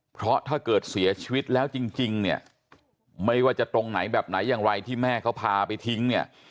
เพราะถ้าเกิดเสียชีวิตแล้วจริงเนี่ยไม่ว่าจะตรงไหนแบบไหนอย่างไรที่แม่เขาพาไปทิ้งเนี่ย